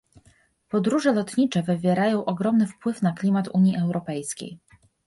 Podróże lotnicze wywierają ogromny wpływ na klimat Unii Europejskiej